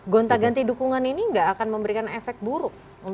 gonta ganti dukungan ini nggak akan memberikan efek buruk untuk partai